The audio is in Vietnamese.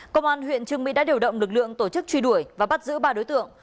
công an huyện trương mỹ đã điều động lực lượng tổ chức truy đuổi và bắt giữ ba đối tượng